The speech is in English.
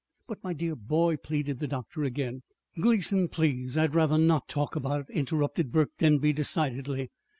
"But, my dear boy " pleaded the doctor again. "Gleason, please, I'd rather not talk about it," interrupted Burke Denby decidedly.